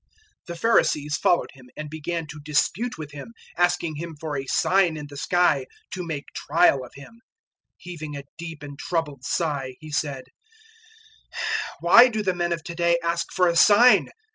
008:011 The Pharisees followed Him and began to dispute with Him, asking Him for a sign in the sky, to make trial of Him. 008:012 Heaving a deep and troubled sigh, He said, "Why do the men of to day ask for a sign?